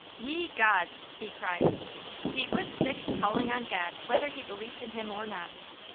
"Ye Gods!" he cried. He would stick to calling on God, whether he believed in Him or not.